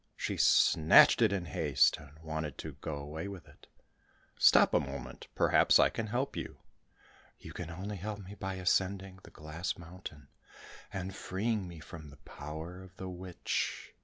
She snatched it in haste, and wanted to go away with it. "Stop a moment, perhaps I can help you." "You can only help me by ascending the glass mountain, and freeing me from the power of the witch.